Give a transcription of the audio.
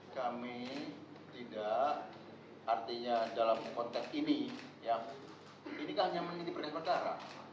kami tidak artinya dalam konteks ini ini kan hanya meneliti perintah perintah acara